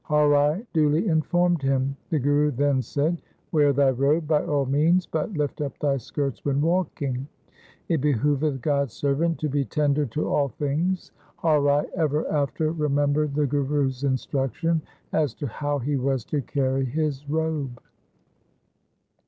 Har Rai duly informed him. The Guru then said, ' Wear thy robe by all means, but lift up thy skirts when walking. It behove th God's servant to be tender to all things.' Har Rai ever after remembered the Guru's instruction as to how he was to carry his robe.